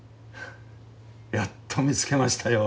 やっと見つけましたよ。